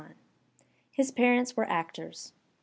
His parents were actors.